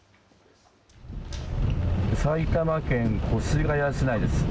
埼玉県越谷市内です。